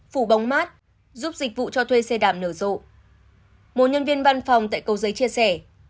phủ bóng mát giúp dịch vụ cho thuê xe đạp nở rộ một nhân viên văn phòng tại cầu giấy chia sẻ